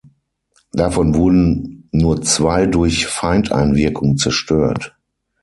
Davon wurden nur zwei durch Feindeinwirkung zerstört.